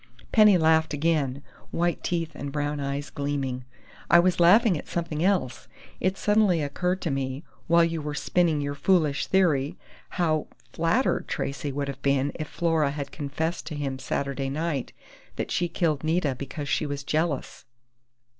Penny laughed again, white teeth and brown eyes gleaming. "I was laughing at something else. It suddenly occurred to me, while you were spinning your foolish theory, how flattered Tracey would have been if Flora had confessed to him Saturday night that she had killed Nita because she was jealous!"